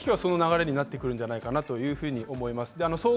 大きくはその流れになってくるんじゃないかなと思ってます。